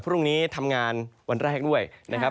พรุ่งนี้ทำงานวันแรกด้วยนะครับ